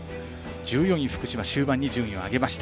１４位、福島は終盤に順位を上げました。